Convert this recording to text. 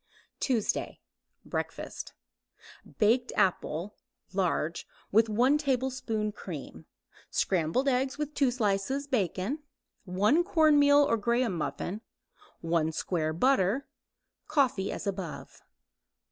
TUESDAY BREAKFAST Baked apple (large) with 1 tablespoon cream; scrambled eggs with 2 slices bacon; 1 cornmeal or graham muffin; 1 square butter; coffee as above.